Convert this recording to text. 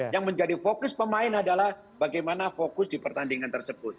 yang menjadi fokus pemain adalah bagaimana fokus di pertandingan tersebut